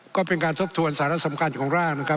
ก็เป็นการทบทวนสาระสำคัญของร่างนะครับ